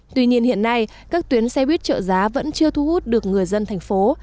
tuy nhiên hiện nay các tuyến xe buýt trợ giá vẫn chưa thu hút được người dân thành phố